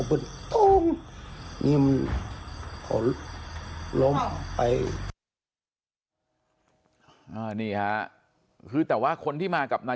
เรื่องรลักพอโบราโก้รบและเกดที่นี้